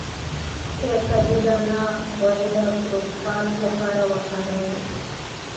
د کدو دانه غوړي د پروستات لپاره وکاروئ